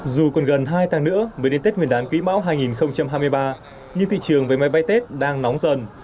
dù còn gần hai tháng nữa mới đến tết nguyên đán quý mão hai nghìn hai mươi ba nhưng thị trường với máy bay tết đang nóng dần